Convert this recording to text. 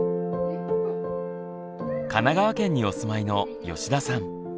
神奈川県にお住まいの吉田さん。